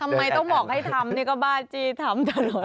ทำไมต้องบอกให้ทำนี่ก็บ้าจี้ทำตลอด